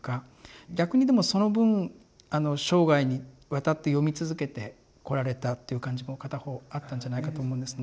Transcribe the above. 逆にでもその分生涯にわたって読み続けてこられたっていう感じも片方あったんじゃないかと思うんですね。